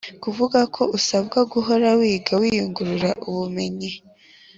kuvuga ko usabwa guhora wiga wiyungura ubumenyi